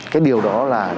cái điều đó là